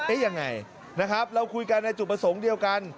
ยังไงนะครับเราคุยกันในจุดประสงค์เดียวกัน